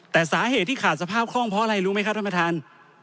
แต่สาเหตุที่ขาดสภาพคล่องเพราะอะไรรู้ไหมครับท่านประธาน